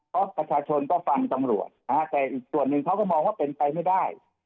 เพราะประชาชนก็ฟังตำรวจแต่อีกส่วนหนึ่งเขาก็มองว่าเป็นไปไม่ได้